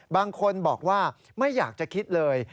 บางคนบอกว่าไม่อยากจะคิดเลย